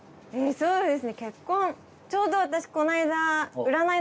そうです。